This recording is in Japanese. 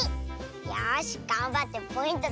よしがんばってポイント